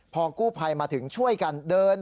พอกู้ภัยมาถึงช่วยกันเดิน